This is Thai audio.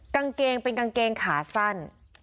กางเกงเป็นกางเกงขาสั้น